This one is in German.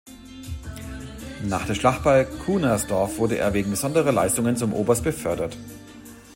Nach der Schlacht bei Kunersdorf wurde er wegen besonderer Leistungen zum Oberst befördert.